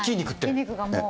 筋肉がもう。